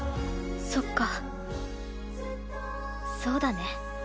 そっかそうだね。